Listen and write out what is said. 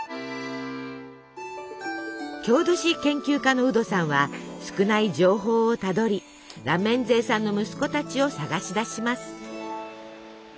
郷土史研究家のウドさんは少ない情報をたどりラメンゼーさんの息子たちを探し出します。